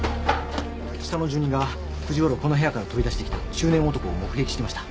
下の住人が９時ごろこの部屋から飛び出してきた中年男を目撃してました。